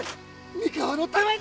三河のために！